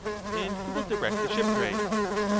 And who will direct the shipwright? Her.